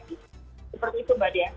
seperti itu mbak de